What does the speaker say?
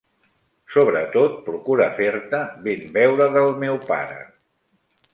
Sobretot procura fer-te ben veure del meu pare.